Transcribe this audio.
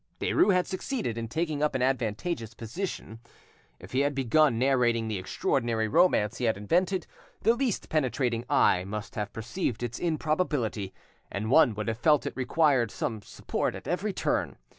Derues had succeeded in taking up an advantageous position. If he had begun narrating the extraordinary romance he had invented, the least penetrating eye must have perceived its improbability, and one would have felt it required some support at every turn.